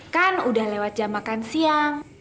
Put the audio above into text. kan udah lewat jam makan siang